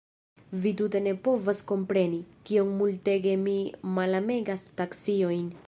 Vi tute ne povas kompreni, kiom multege mi malamegas taksiojn.